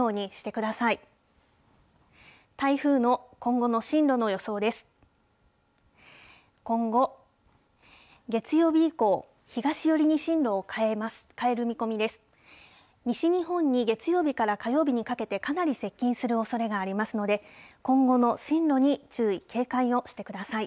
西日本に月曜日から火曜日にかけてかなり接近するおそれがありますので、今後の進路に注意、警戒をしてください。